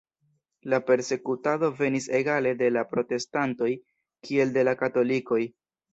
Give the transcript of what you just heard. La persekutado venis egale de la protestantoj, kiel de la katolikoj.